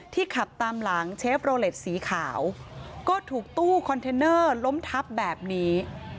ขับตามหลังเชฟโรเล็ตสีขาวก็ถูกตู้คอนเทนเนอร์ล้มทับแบบนี้